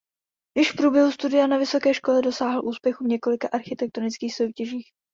Již v průběhu studia na vysoké škole dosáhl úspěchu v několika architektonických soutěžích.